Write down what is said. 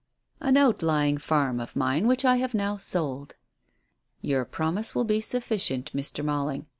"An ouylying farm of mine which I have now sold." "Your promise will be sufficient, Mr. Malling.